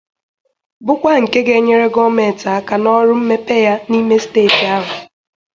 bụkwa nke ga-enyere gọọmenti aka n'ọrụ mmepe ya n'ime steeti ahụ.